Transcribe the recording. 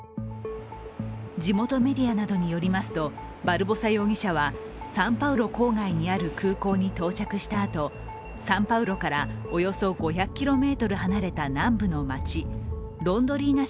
地元メディアなどによりますとバルボサ容疑者はサンパウロ郊外にある空港に到着したあと、サンパウロからおよそ５００ｋｍ離れた南部の街ロンドリーナ